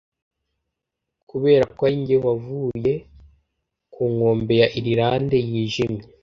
kuberako ari njye wavuye ku nkombe ya irilande yijimye